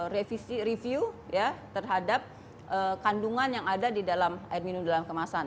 kita sudah review terhadap kandungan yang ada di dalam air minum dalam kemasan